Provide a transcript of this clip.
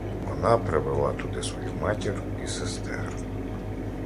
Вона повела туди свою матір і сестер.